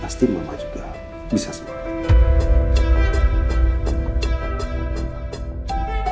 pasti mama juga bisa semangat